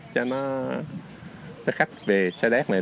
cho khách về xe đét này